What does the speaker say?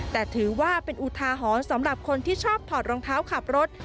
แต่ถือว่าเป็นอุทาหรณ์สำหรับคนที่ชอบถอดรองเท้าขับรถ